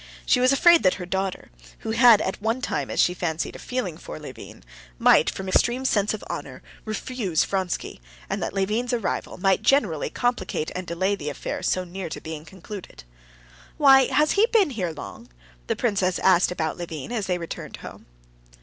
She was afraid that her daughter, who had at one time, as she fancied, a feeling for Levin, might, from extreme sense of honor, refuse Vronsky, and that Levin's arrival might generally complicate and delay the affair so near being concluded. "Why, has he been here long?" the princess asked about Levin, as they returned home.